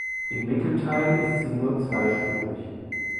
Im Mittelteil ist sie nur zweispurig.